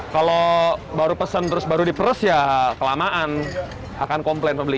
kalau baru pesen terus baru diperes ya kelamaan akan komplain pembeli